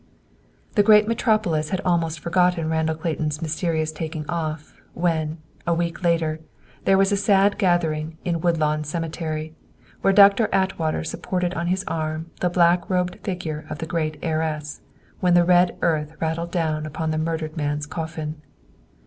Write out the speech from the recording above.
The great metropolis had almost forgotten Randall Clayton's mysterious taking off, when, a week later, there was a sad gathering in Woodlawn Cemetery, where Doctor Atwater supported on his arm the black robed figure of the great heiress, when the red earth rattled down upon the murdered man's coffin.